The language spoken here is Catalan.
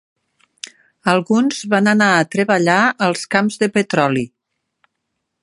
Alguns van anar a treballar als camps de petroli.